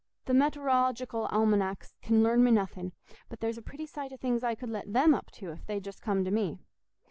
Th' met'orological almanecks can learn me nothing, but there's a pretty sight o' things I could let them up to, if they'd just come to me.